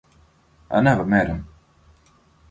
I'd never met him.